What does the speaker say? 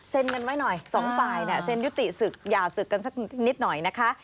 เซ็นเงินไว้หน่อย๒ปร่อยน่ะเซ็นยุติศึกษ์หรืออย่าศึกกันเท่านี้นิดหน่อยนะคะ